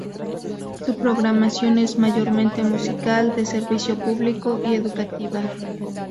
Su programación es mayormente musical, de servicio público y educativa.